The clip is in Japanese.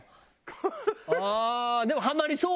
ああーでもハマりそう。